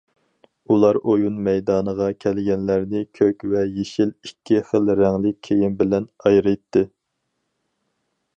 ئۇلار ئويۇن مەيدانىغا كەلگەنلەرنى كۆك ۋە يېشىل ئىككى خىل رەڭلىك كىيىم بىلەن ئايرىيتتى.